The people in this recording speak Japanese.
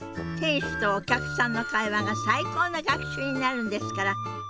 店主とお客さんの会話が最高の学習になるんですから。